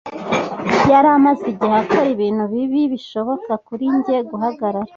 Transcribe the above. Yari amaze igihe akora ibintu bibi bishoboka kuri njye - guhagarara.